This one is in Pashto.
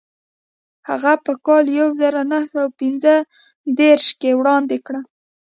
هغه په کال یو زر نهه سوه پنځه دېرش کې وړاندې کړه.